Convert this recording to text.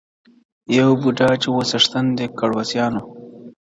یو بوډا چي وو څښتن د کړوسیانو-